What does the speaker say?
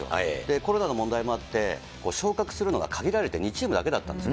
コロナの問題もあって昇格するのが限られた２チームだけだったんだね。